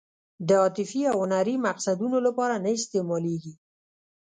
د عاطفي او هنري مقصدونو لپاره نه استعمالېږي.